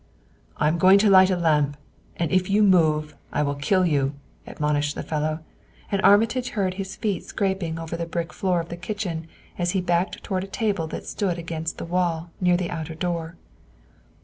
"I am going to light a lamp and if you move I will kill you," admonished the fellow, and Armitage heard his feet scraping over the brick floor of the kitchen as he backed toward a table that stood against the wall near the outer door.